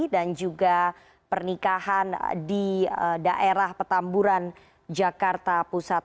dan juga pernikahan di daerah petamburan jakarta pusat